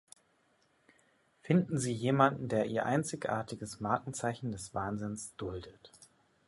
Finden Sie jemanden, der Ihr einzigartiges Markenzeichen des Wahnsinns duldet.